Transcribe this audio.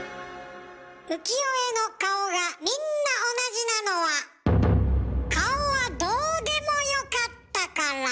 浮世絵の顔がみんな同じなのは顔はどうでもよかったから。